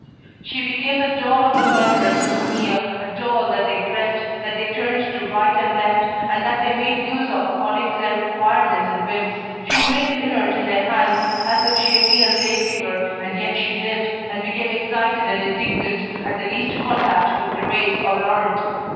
She became the doll of the murderers of Camille, a doll that they dressed, that they turned to right and left, and that they made use of according to their requirements and whims. She remained inert in their hands, as if she had been a lay figure, and yet she lived, and became excited and indignant at the least contact with Thérèse or Laurent.